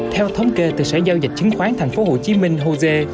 theo thống kê từ sở giao dịch chứng khoán tp hcm hosea